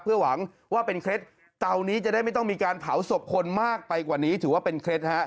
เพื่อหวังว่าเป็นเคล็ดเตานี้จะได้ไม่ต้องมีการเผาศพคนมากไปกว่านี้ถือว่าเป็นเคล็ดฮะ